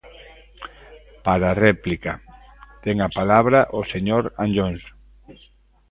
Para réplica, ten a palabra o señor Anllóns.